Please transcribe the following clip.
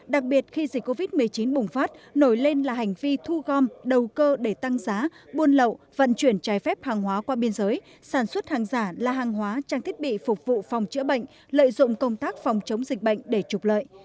đặc biệt khi dịch covid một mươi chín bùng phát nổi lên là hành vi thu gom đầu cơ để tăng giá buôn lậu vận chuyển trái phép hàng hóa qua biên giới sản xuất hàng giả là hàng hóa trang thiết bị phục vụ phòng chữa bệnh lợi dụng công tác phòng chống dịch bệnh để trục lợi